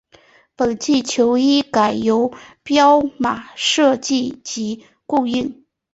本季球衣改由彪马设计及供应。